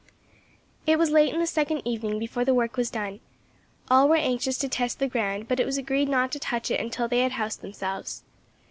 It was late in the second evening before the work was done. All were anxious to test the ground, but it was agreed not to touch it until they had housed themselves.